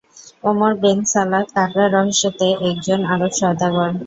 Omar Ben Salad "কাঁকড়া রহস্য"তে একজন আরব সওগাদর।